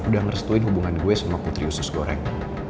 udah ngerestuin hubungan gue sama putri usus goreng